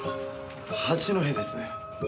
八戸です。